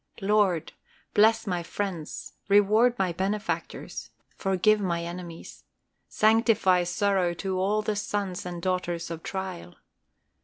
Lord! bless my friends, reward my benefactors, forgive my enemies. Sanctify sorrow to all the sons and daughters of trial.